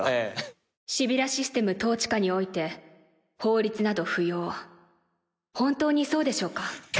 「シビュラシステム統治下において法律など不要」「本当にそうでしょうか？」